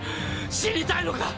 死にたいのか！